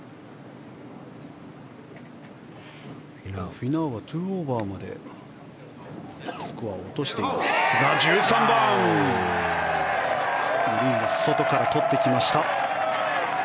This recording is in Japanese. フィナウは２オーバーまでスコアを落としていますが１３番外からとっていきました！